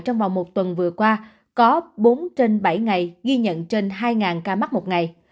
trong vòng một tuần vừa qua có bốn trên bảy ngày ghi nhận trên hai ca mắc một ngày